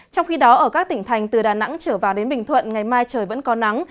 trong khi đó ở các tỉnh thành từ đà nẵng trở vào đến bình thuận ngày mai trời vẫn có nắng